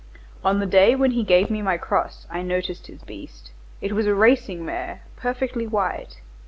"On the day when he gave me my cross, I noticed his beast. It was a racing mare, perfectly white.